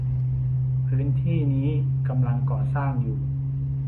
พื้นที่นี้กำลังก่อสร้างอยู่